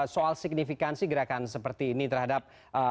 soal signifikansi gerakan seperti ini terhadap